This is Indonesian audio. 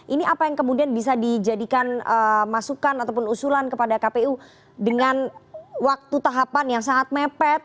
ini apa yang kemudian bisa dijadikan masukan ataupun usulan kepada kpu dengan waktu tahapan yang sangat mepet